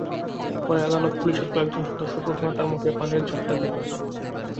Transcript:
পরে আদালত পুলিশের কয়েকজন সদস্য প্রথমে তাঁর মুখে পানির ঝাপটা দেয়।